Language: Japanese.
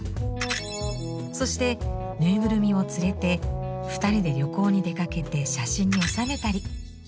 そしてぬいぐるみを連れて２人で旅行に出かけて写真に収めたり。